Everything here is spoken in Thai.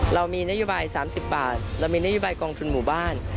เรามีนโยบาย๓๐บาทเรามีนโยบายกองทุนหมู่บ้าน